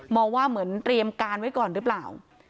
ว่าเหมือนเตรียมการไว้ก่อนหรือเปล่า